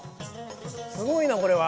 すごいなこれは。